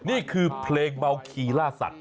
นี่คือเพลงเมาคีล่าสัตว